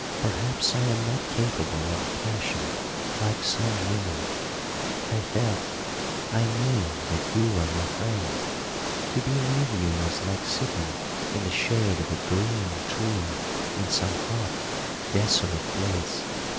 Perhaps I am not capable of passion like some women. I felt I knew that you were my friend. To be near you was like sitting in the shade of a green tree in some hot, desolate place.